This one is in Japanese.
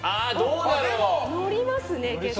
乗りますね結構。